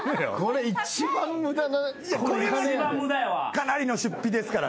かなりの出費ですから。